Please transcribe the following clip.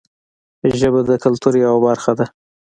ژبه د کلتور یوه برخه ده